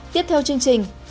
tiếp theo chương trình